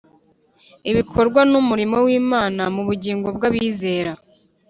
Ibikorwa n'umurimo w'Imana mu bugingo bw'abizera,